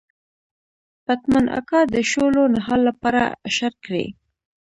پتمن اکا د شولو نهال لپاره اشر کړی.